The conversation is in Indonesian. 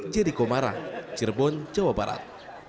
jericho marah cirebon jawa barat